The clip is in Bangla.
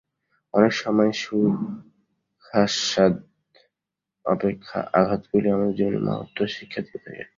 অনেক সময় সুখাস্বাদ অপেক্ষা আঘাতগুলিই আমাদের জীবনে মহত্তর শিক্ষা দিয়া থাকে।